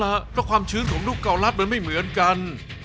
แล้วความชื้นของลูกกาวรัสมันไม่เหมือนกัน